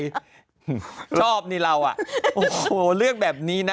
ชอบนี่เราโอ้เรื่องแบบนี้นะ